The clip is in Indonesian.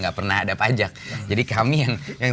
nggak pernah ada pajak jadi kami yang